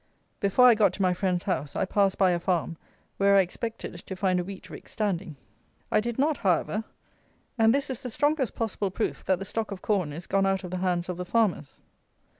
Before I got to my friend's house, I passed by a farm where I expected to find a wheat rick standing. I did not, however; and this is the strongest possible proof that the stock of corn is gone out of the hands of the farmers.